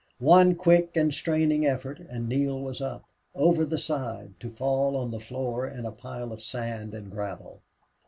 One quick and straining effort and Neale was up, over the side, to fall on the floor in a pile of sand and gravel.